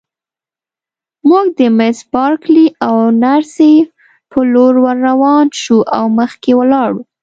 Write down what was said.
موږ د مس بارکلي او نرسې په لور ورروان شوو او مخکې ولاړو.